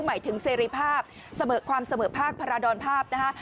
หมายถึงเสรีภาพเสมอความเสมอภาคพาราดรภาพนะคะ